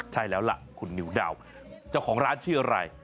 ใช่แล้วล่ะคุณนิวดาวเจ้าของร้านชื่ออะไร